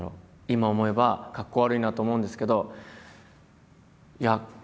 今思えばかっこ悪いなと思うんですけど。